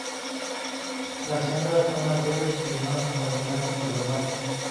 Las hembras son mayores y más abundantes que los machos.